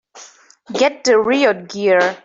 Get the riot gear!